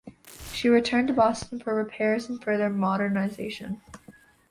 She returned to Boston for repairs and further modernization.